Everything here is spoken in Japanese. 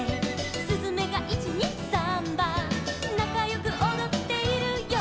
「すずめが１・２・サンバ」「なかよくおどっているよ」